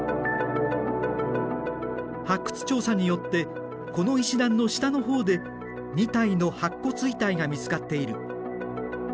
発掘調査によってこの石段の下の方で２体の白骨遺体が見つかっている。